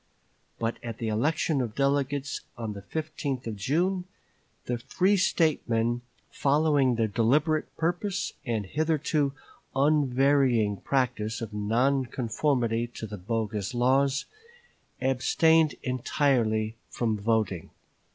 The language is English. But at the election of delegates on the 15th of June, the free State men, following their deliberate purpose and hitherto unvarying practice of non conformity to the bogus laws, abstained entirely from voting.